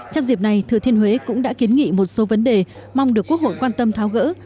trong dịp này thừa thiên huế cũng đã kiến nghị một số vấn đề mong được quốc hội quan tâm tháo gỡ